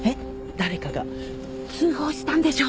誰かが通報したんでしょ？